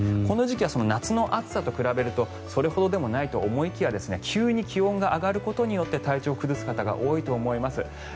この時期は夏の暑さと比べるとそれほどでもないと思いきや急に気温が上がることによって体調を崩す方が多いと思います。